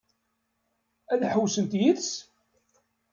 Ad ḥewwsent yid-s?